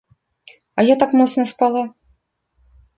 А я так моцна спала.